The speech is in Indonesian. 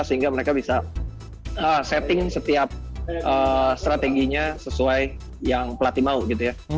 sehingga mereka bisa setting setiap strateginya sesuai yang pelatih mau gitu ya